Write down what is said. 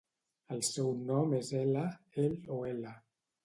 El seu nom és ela, el o ele.